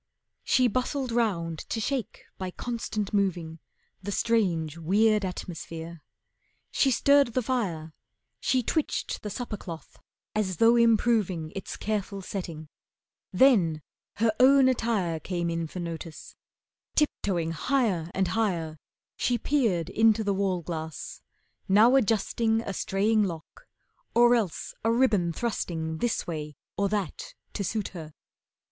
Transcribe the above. She bustled round to shake by constant moving The strange, weird atmosphere. She stirred the fire, She twitched the supper cloth as though improving Its careful setting, then her own attire Came in for notice, tiptoeing higher and higher She peered into the wall glass, now adjusting A straying lock, or else a ribbon thrusting This way or that to suit her.